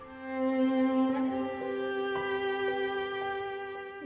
aymar aku mau tidur